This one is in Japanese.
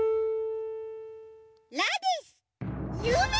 「ラ」です！